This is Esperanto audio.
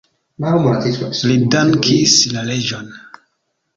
Li dankis la reĝon.